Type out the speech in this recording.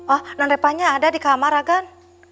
oh reva ada di kamar agan